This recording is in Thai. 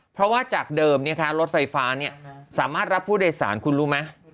เพราะว่าจากเดิมรถไฟฟ้าสามารถรับผู้โดยสารคุณรู้ไหม